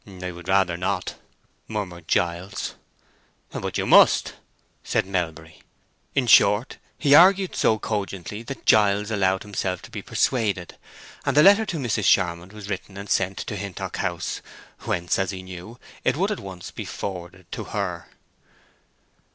"I would rather not," murmured Giles. "But you must," said Melbury. In short, he argued so cogently that Giles allowed himself to be persuaded, and the letter to Mrs. Charmond was written and sent to Hintock House, whence, as he knew, it would at once be forwarded to her.